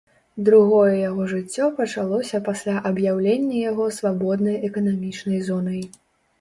Другое яго жыццё пачалося пасля аб'яўлення яго свабоднай эканамічнай зонай.